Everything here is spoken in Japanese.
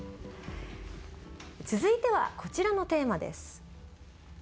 続いてはこちらのテーマです。